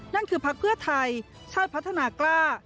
นั่นคือพักเพื่อไทยชาติพัฒนากล้า